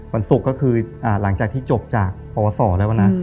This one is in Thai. วันศุกร์ก็คือหลังจากที่จบจากปวสอแล้วนะ